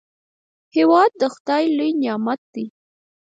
هېواد د خداي لوی نعمت دی.